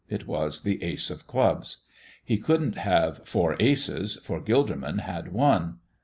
It was the ace of clubs. He couldn't have four aces, for Gilderman had one.